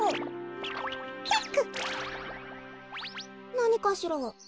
なにかしら？